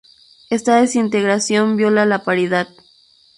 Esta desintegración viola la paridad.